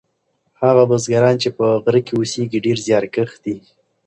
هغه بزګران چې په غره کې اوسیږي ډیر زیارکښ دي.